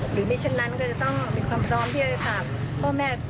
หรือไม่เช่นนั้นก็จะต้องมีความพร้อมที่จะฝากพ่อแม่